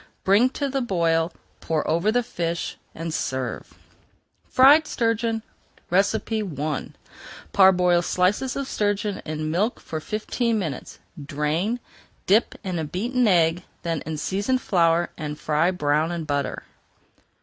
Bring to the boil, pour over the fish, and serve. FRIED STURGEON I Parboil slices of sturgeon in milk for fifteen minutes, drain, dip in beaten egg, then in seasoned flour, and fry brown in butter.